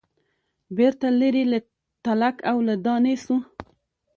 بیرته لیري له تلک او له دانې سو